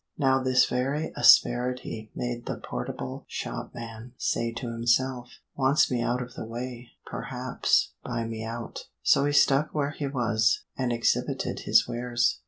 Now this very asperity made the portable shopman say to himself, "wants me out of the way perhaps buy me out." So he stuck where he was, and exhibited his wares.